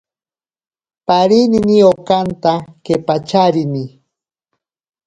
Parinini okanta kepacharini.